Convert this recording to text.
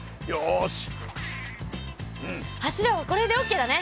柱はこれでオッケーだね。